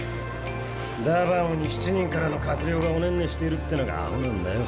ダバオに７人からの閣僚がおねんねしているってのがアホなんだよ。